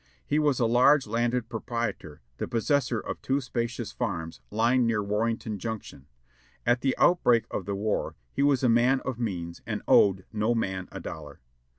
He was a large landed proprietor, the possessor of two spacious farms lying near Warrenton Junction. At the outbreak of the war he was a man of means and owed no man a dollar.